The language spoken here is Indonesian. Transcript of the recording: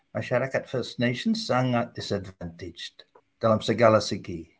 masyarakat first nations sangat disadvantaged dalam segala segi